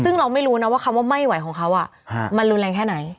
ซึ่งเราไม่รู้นะว่าคำว่าไม่ไหวของเขามันรุนแรงแค่ไหน